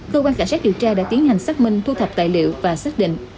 cơ quan cảnh sát điều tra đã tiến hành xác minh thu thập tài liệu và xác định